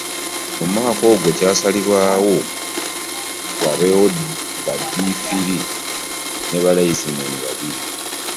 Mu mwaka ogwo kyasalibwawo wabeewo baddiifiri ne layinizimeeni babiri.